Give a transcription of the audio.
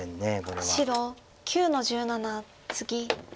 白９の十七ツギ。